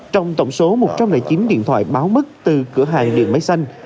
trong tổng số một trong chín điện thoại báo mất từ cửa hàng điện máy xanh